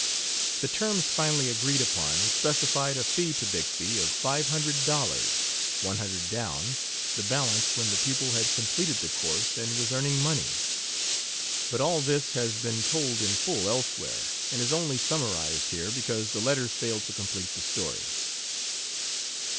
The terms finally agreed upon specified a fee to Bixby of five hundred dollars, one hundred down, the balance when the pupil had completed the course and was earning money. But all this has been told in full elsewhere, and is only summarized here because the letters fail to complete the story.